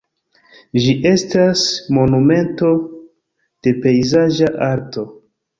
Ĝi estas monumento de pejzaĝa arto.